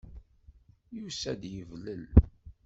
Yusa-d yeblel.